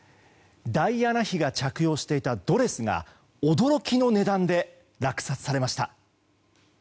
ダイアナ妃が着用していたドレスが驚きの値段で落札されました。